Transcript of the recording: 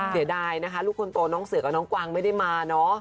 เสียดายนะคะลูกคนโตน้องเสือกับน้องกวางไม่ได้มาเนอะ